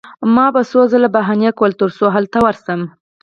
ما به څو ځله بهانه کوله ترڅو هلته ورشم